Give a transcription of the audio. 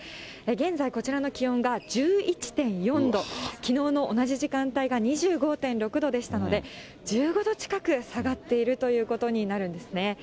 現在、こちらの気温が１１．４度、きのうの同じ時間帯が２５．６度でしたので、１５度近く下がっているということになるんですね。